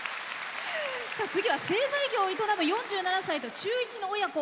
次は製造業を営む４７歳と中１の親子。